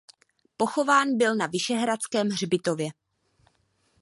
Pochován byl na vyšehradském hřbitově.